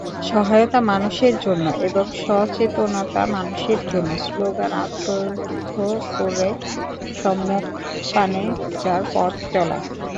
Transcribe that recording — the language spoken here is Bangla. সহায়তা মানুষের জন্য এবং সচেতনতা মানুষের জন্য—স্লোগান আত্মস্থ করে সম্মুখপানে যাঁর পথচলা।